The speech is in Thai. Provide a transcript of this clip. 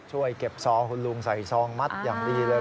ช่วยเก็บซองคุณลุงใส่ซองมัดอย่างดีเลย